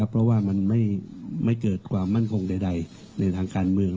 เพราะว่ามันไม่เกิดความมั่นคงใดในทางการเมือง